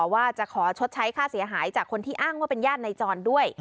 ว่าจะขอชดใช้ค่าเสียหายจากคนที่อ้างว่าเป็นญาตินายจรด้วย